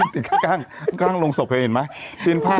ติดข้างโรงศพเห็นไหม